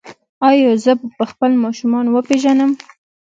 ایا زه به خپل ماشومان وپیژنم؟